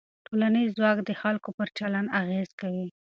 ټولنیز ځواک د خلکو پر چلند اغېز کوي.